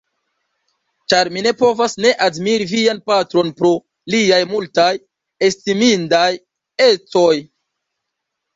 ĉar mi ne povas ne admiri vian patron pro liaj multaj estimindaj ecoj.